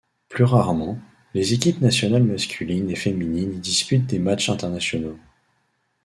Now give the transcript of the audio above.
Plus rarement, les équipes nationales masculines et féminines y disputent des matchs internationaux.